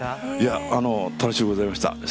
いやあの楽しゅうございました。